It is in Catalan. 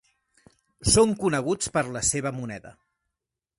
Són coneguts per la seva moneda.